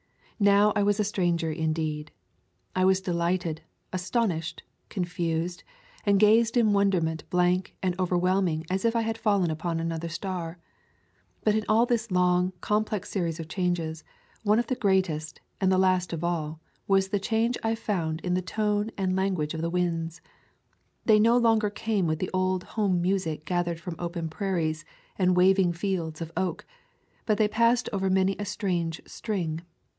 Now I was a stranger, indeed. I was delighted, aston ished, confounded, and gazed in wonderment blank and overwhelming as if I had fallen upon another star. But in all of this long, complex series of changes, one of the greatest, and the last of all, was the change I found in the tone and language of the winds. They no longer came with the old home music gathered from open prairies and waving fields of oak, but they passed over many a strange string.